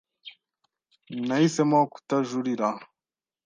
Nahisemo kutajurira.